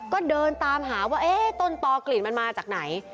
ก็เดินตามหาว่าเอ๊ะต้นตอกลิ่นมันมาจากไหน